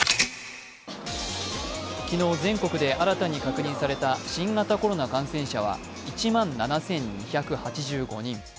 昨日全国で新たに確認された新型コロナ感染者は１万７２８５人。